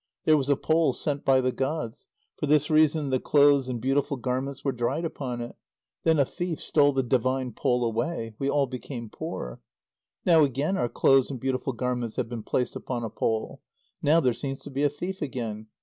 There was a pole sent by the gods. For this reason the clothes and beautiful garments were dried upon it. Then a thief stole the divine pole away. We all became poor. Now again our clothes and beautiful garments have been placed upon a pole. Now there seems to be a thief again.